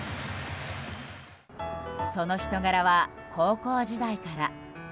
その人柄は高校時代から。